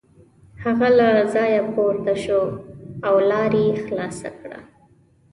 هغه له ځایه پورته شو او لار یې خلاصه کړه.